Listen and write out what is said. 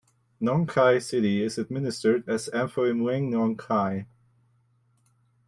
Nong Khai city is administered as Amphoe Mueang Nong Khai.